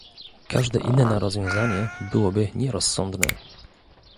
Każde inne rozwiązanie byłoby nierozsądne